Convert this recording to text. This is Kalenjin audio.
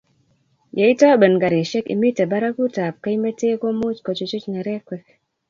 ye itoben karisiek imite barakutab keimete ko much ku chuchuch nerekwek